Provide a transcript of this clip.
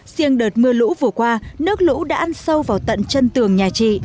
riêng đợt mưa lũ vừa qua nước lũ đã ăn sâu vào tận chân tường nhà chị